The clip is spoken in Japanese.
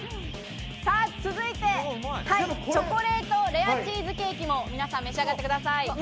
続いてチョコレートレアチーズケーキも皆さん、召し上がってください。